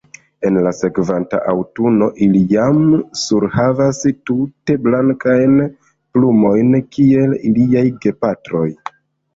En la sekvanta aŭtuno ili jam surhavas tute blankajn plumojn kiel iliaj gepatroj.